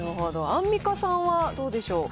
アンミカさんはどうでしょう。